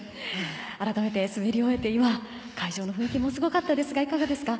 改めて滑り終えて今会場の雰囲気もすごかったですがいかがですか？